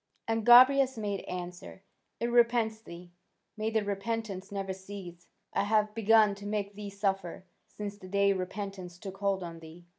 '" And Gobryas made answer: "It repents thee: may that repentance never cease! I have begun to make thee suffer, since the day repentance took hold on thee."